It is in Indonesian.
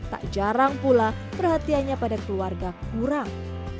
tak jarang pula perhatiannya pada keluarga kurang